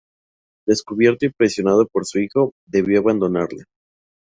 Descubierto y presionado por su hijo, debió abandonarla.